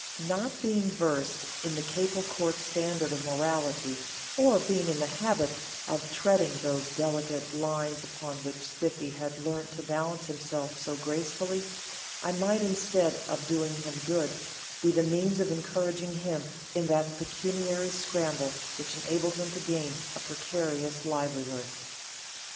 Not being versed in the Capel Court standard of morality, or being in the habit of treading those delicate lines upon which Spiffy had learnt to balance himself so gracefully, I might, instead of doing him good, be the means of encouraging him in that pecuniary scramble which enabled him to gain a precarious livelihood.